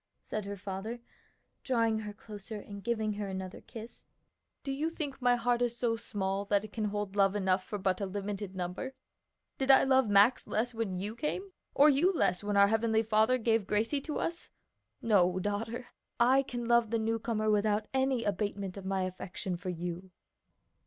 said her father, drawing her closer and giving her another kiss. "Do you think my heart is so small that it can hold love enough for but a limited number? Did I love Max less when you came? or you less when our Heavenly Father gave Gracie to us? No, daughter; I can love the newcomer without any abatement of my affection for you."